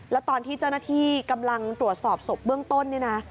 แล้วตอนที่เจ้าหน้าที่กำลังตรวจสอบศพเบื้องต้นนี่นะ